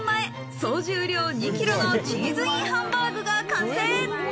総重量２ｋｇのチーズインハンバーグが完成。